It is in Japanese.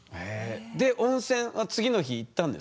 で温泉は次の日行ったんですか？